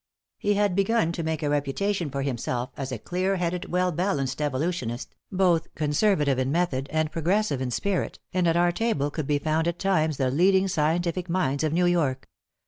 He had begun to make a reputation for himself as a clear headed, well balanced evolutionist, both conservative in method and progressive in spirit, and at our table could be found at times the leading scientific minds of New York.